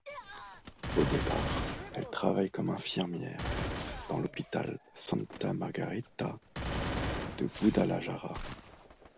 Au départ, elle travaille comme infirmière dans l'hôpital Santa Margarita de Gudalajara.